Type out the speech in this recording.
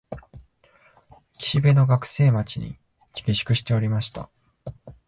岸辺の学生町に下宿しておりました